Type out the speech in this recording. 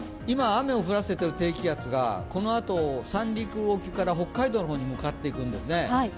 今、雨を降らせている低気圧がこのあと三陸沖から北海道に向かっていくんですね。